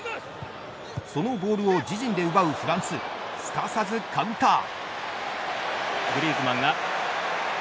そのボールを自陣で奪うフランスすかさずカウンター。